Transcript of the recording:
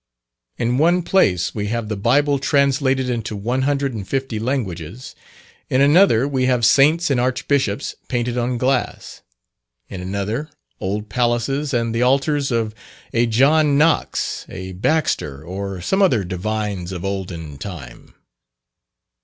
In one place we have the Bible translated into one hundred and fifty languages; in another, we have saints and archbishops painted on glass; in another, old palaces and the altars of a John Knox, a Baxter, or some other divines of olden time.